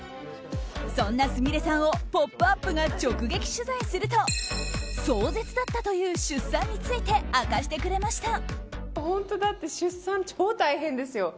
そんな、すみれさんを「ポップＵＰ！」が直撃取材すると壮絶だったという出産について明かしてくれました。